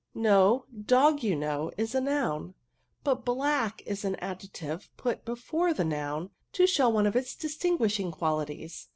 ^^ No ; dog, you know, is a noun, but black is an adjective put before the noun, to show one of its distinguishing qualities.